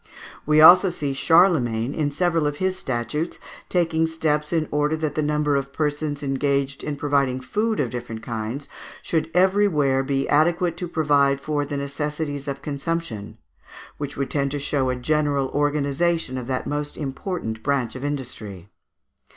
We also see Charlemagne, in several of his statutes, taking steps in order that the number of persons engaged in providing food of different kinds should everywhere be adequate to provide for the necessities of consumption, which would tend to show a general organization of that most important branch of industry.